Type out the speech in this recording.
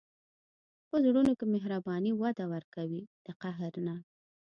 په زړونو کې مهرباني وده ورکوي، د قهر نه.